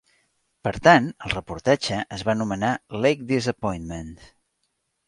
Per tant, el reportatge es va anomenar Lake Disappointment.